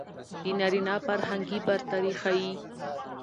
د نارينه فرهنګي برتري ښيي.